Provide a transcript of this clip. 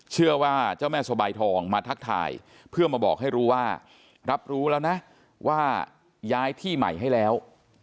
เชื่อว่าเจ้าแม่สบายทองมาทักทายเพื่อมาบอกให้รู้ว่ารับรู้แล้วนะว่าย้ายที่ใหม่ให้แล้ว